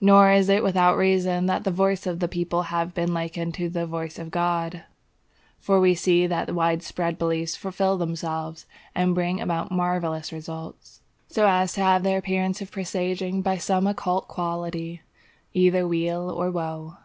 Nor is it without reason that the voice of the people has been likened to the voice of God; for we see that wide spread beliefs fulfil themselves, and bring about marvellous results, so as to have the appearance of presaging by some occult quality either weal or woe.